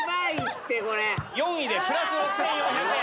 ４位でプラス６４００円。